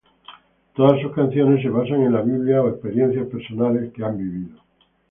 Todas sus canciones se basan en la Biblia o experiencias personales que han vivido.